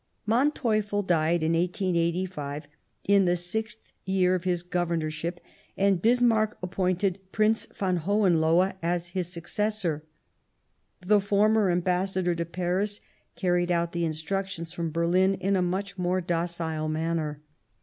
Manteuffel died in 1885, in the sixth year of his Governorship ; and Bismarck appointed Prince von Hohenlohe as his successor. The former Ambas sador to Paris carried out the instructions from Ber lin in a much more docile manner.